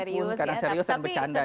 kalingpun kadang serius dan bercanda gitu